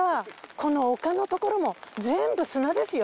この丘のところも全部砂ですよ？